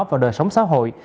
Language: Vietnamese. vào đời sống xã hội